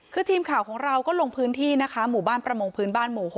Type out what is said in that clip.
คือทีมข่าวของเราก็ลงพื้นที่นะคะหมู่บ้านประมงพื้นบ้านหมู่๖